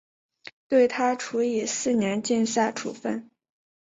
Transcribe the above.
对她处以四年禁赛处分。